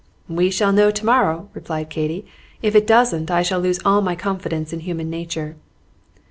"We shall know to morrow," replied Katy. "If it doesn't, I shall lose all my confidence in human nature."